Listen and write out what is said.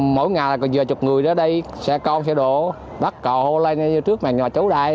mỗi ngày là còn vừa chục người ở đây xe con xe đổ bắt cọ lên như trước màn nhà chấu đai